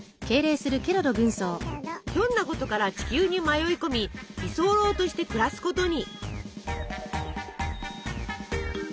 ひょんなことから地球に迷い込み居候として暮らすことに。